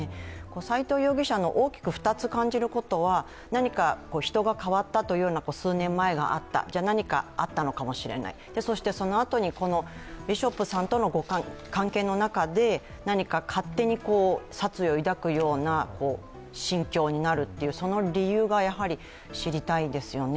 斎藤容疑者の大きく２つ感じることは、何か人が変わったというような数年前があったじゃあ何かあったのかもしれないそしてそのあとにビショップさんとの関係の中で何か勝手に殺意を抱くような心境になるというその理由が知りたいですよね。